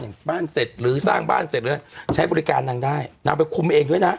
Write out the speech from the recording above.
อย่างบ้านเสร็จหรือสร้างบ้านเสร็จหรือใช้บริการนางได้นางไปคุมเองด้วยนะ